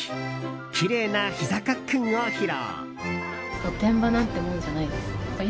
きれいな、ひざかっくんを披露。